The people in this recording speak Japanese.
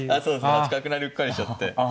端角成りうっかりしちゃって。